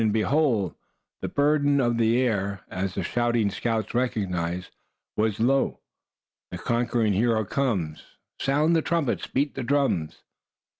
And behold, the burden of the air, as the shouting scouts recognized, was "Lo, the Conquering Hero Comes; Sound the Trumpets. Beat the Drums."